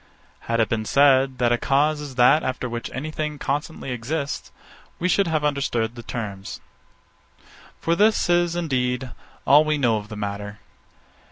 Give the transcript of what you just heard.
_ Had it been said, that a cause is that after which any thing constantly exists; we should have understood the terms. For this is, indeed, all we know of the matter.